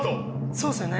そうですよね。